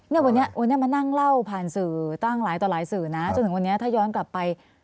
เนี่ยวันนี้มานั่งเล่าผ่านสื่อตั้งหลายต่อหลายสื่อนะจนถึงวันนี้ถ้าย้อนกลับไป